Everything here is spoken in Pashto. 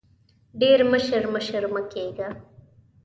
ډېر مشر مشر مه کېږه !